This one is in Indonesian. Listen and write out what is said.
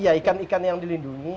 ya ikan ikan yang dilindungi